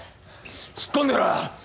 引っ込んでろ！